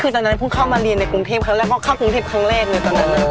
คือตอนนั้นเพิ่งเข้ามาเรียนในกรุงเทพครั้งแรกก็เข้ากรุงเทพครั้งแรกเลยตอนนั้น